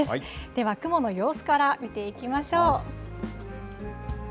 では、雲の様子から見ていきましょう。